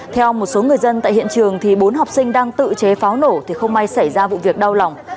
theo một số người dân tại hiện trường bốn học sinh đang tự chế pháo nổ thì không may xảy ra vụ việc đau lòng